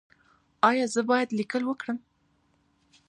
ایا زه باید لیکل وکړم؟